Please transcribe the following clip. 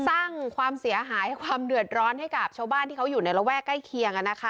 สร้างความเสียหายความเดือดร้อนให้กับชาวบ้านที่เขาอยู่ในระแวกใกล้เคียง